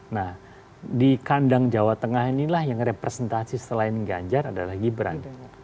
nah di kandang jawa tengah inilah yang representasi selain ganjar adalah gibran